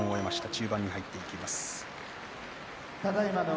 中盤に入っていきます。